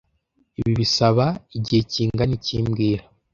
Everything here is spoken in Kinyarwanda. Ibi bisaba igihe kingana iki mbwira